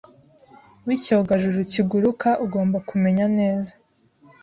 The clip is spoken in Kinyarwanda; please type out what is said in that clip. wicyogajuru kiguruka ugomba kumenya neza